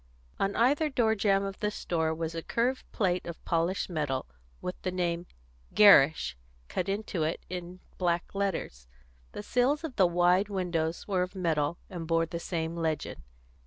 On either door jamb of the store was a curved plate of polished metal, with the name GERRISH cut into it in black letters; the sills of the wide windows were of metal, and bore the same legend.